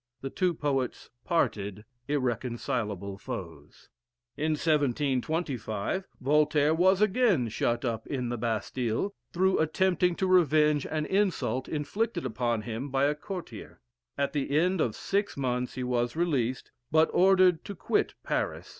The two poets parted irreconcileable foes. In 1725, Voltaire was again shut up in the Bastile, through attempting to revenge an insult inflicted upon him by a courtier. At the end of six months he was released, but ordered to quit Paris.